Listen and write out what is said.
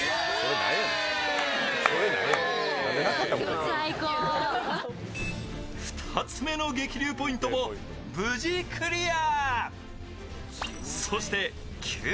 １、２２つ目の激流ポイントも無事クリア。